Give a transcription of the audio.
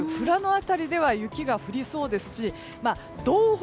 辺りでは雪が降りそうですし道北、